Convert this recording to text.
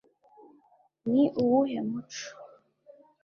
ni uwuhe muco